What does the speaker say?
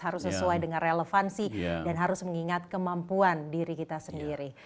harus sesuai dengan relevansi dan harus mengingat kemampuan diri kita sendiri